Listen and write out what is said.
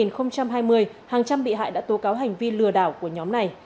năm hai nghìn hai mươi hàng trăm bị hại đã tố cáo hành vi lừa đảo của nhóm này